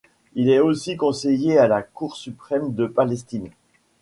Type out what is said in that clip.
Il est aussi conseiller à la Cour suprême de Palestine.